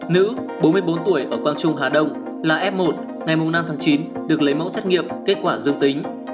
nữ bốn mươi bốn tuổi ở quang trung hà đông là f một ngày năm tháng chín được lấy mẫu xét nghiệm kết quả dương tính